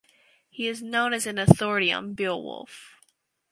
He is known as an authority on Beowulf.